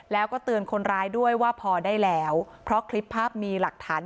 แล้วก็เตือนคนร้ายด้วยว่าพอได้แล้วเพราะคลิปภาพมีหลักฐาน